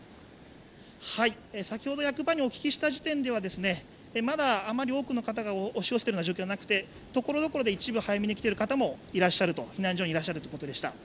先ほど役場にお聞きした時点ではまだ多くの人が押し寄せているような状況ではなくて、ところどころ早くいらっしゃる方も避難所にいらっしゃるということでした。